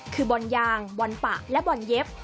คือบอลยางบอลปะและบอลเย็บ